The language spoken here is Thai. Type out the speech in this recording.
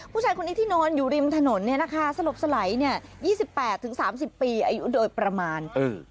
ผู้ชายคนนี้ที่นอนอยู่ริมถนนเนี่ยนะคะสลบสลาย๒๘๓๐ปีอายุโดยประมาณ